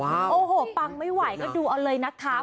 โอ้โหปังไม่ไหวก็ดูเอาเลยนะคะ